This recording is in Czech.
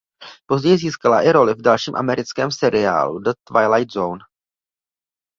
Později získala i roli v dalším americkém seriálu "The Twilight Zone".